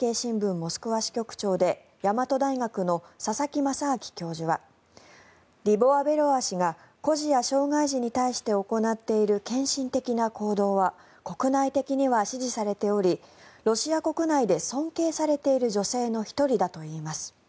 モスクワ支局長で大和大学の佐々木正明教授はリボワ・ベロワ氏が孤児や障害児に対して行っている献身的な行動は国内的には支持されておりロシア国内で尊敬されている女性の１人だといいます。